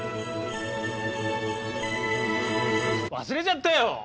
忘れちゃったよ！